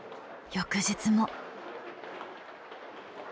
翌日も。